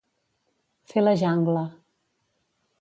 Fer la jangla.